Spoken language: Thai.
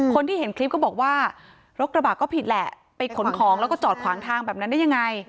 คนที่เห็นคลิปก็บอกว่ารถกระบะก็ผิดแหละไปขนของแล้วก็จอดขวางทางแบบนั้นได้ยังไง